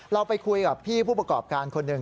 เราไปคุยกับพี่ผู้ประกอบการคนหนึ่ง